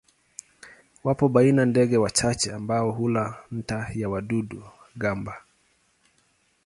Wapo baina ndege wachache ambao hula nta ya wadudu-gamba.